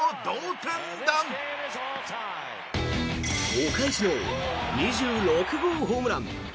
お返しの２６号ホームラン。